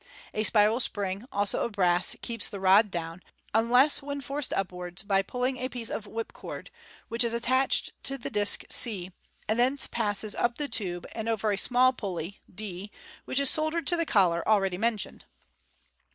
A spiral spring, also of brass, keeps the rod down, 448 MODERN MAGIC unless when forced upwards by pulling a piece of whipcord, which is attached to the disc c, and thence passes up the tube, and over a sm ilj pulley d, which is soldered to the collar already mentioned.